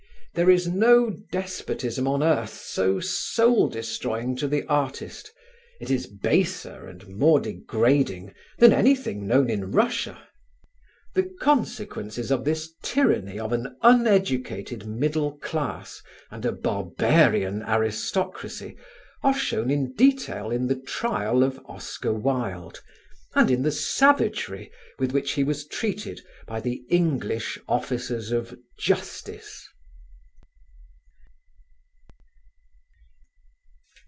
There is no despotism on earth so soul destroying to the artist: it is baser and more degrading than anything known in Russia. The consequences of this tyranny of an uneducated middle class and a barbarian aristocracy are shown in detail in the trial of Oscar Wilde and in the savagery with which he was treated by the English officers of justice.